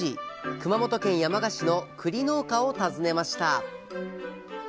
熊本県山鹿市のくり農家を訪ねました